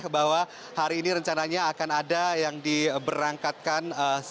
bahwa hari ini rencananya akan ada yang diberangkatkan sembilan puluh enam enam ratus